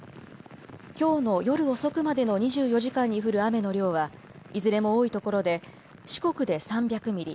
きょうの夜遅くまでの２４時間に降る雨の量はいずれも多いところで四国で３００ミリ